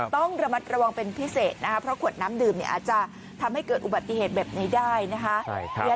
ต้องระมัดระวังเป็นพิเศษนะคะเพราะขวดน้ำดื่มเนี่ยอาจจะทำให้เกิดอุบัติเหตุแบบนี้ได้นะคะ